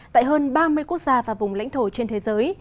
tại hơn ba mươi quốc gia và vùng lãnh thổ trên thế giới